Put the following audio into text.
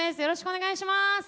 よろしくお願いします。